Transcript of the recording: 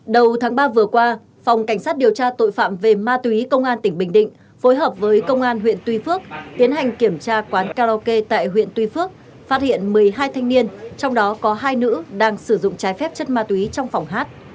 đầu tháng ba vừa qua phòng cảnh sát điều tra tội phạm về ma túy công an tỉnh bình định phối hợp với công an huyện tuy phước tiến hành kiểm tra quán karaoke tại huyện tuy phước phát hiện một mươi hai thanh niên trong đó có hai nữ đang sử dụng trái phép chất ma túy trong phòng hát